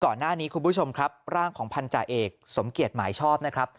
ก่อนหน้านี้คุณผู้ชมครับร่างของพันจ่าเอกสมเกียจหมายชอบนะครับ